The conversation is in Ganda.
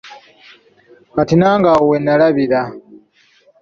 Kati nange awo wennalabira.